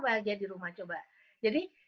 bahagia di rumah coba jadi